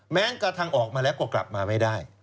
แม้กระทั่งออกมาแล้วก็กลับมาไม่ได้